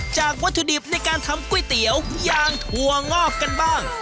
วัตถุดิบในการทำก๋วยเตี๋ยวยางถั่วงอกกันบ้าง